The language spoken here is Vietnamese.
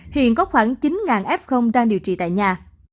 hiện có khoảng chín f đang điều trị tại nhà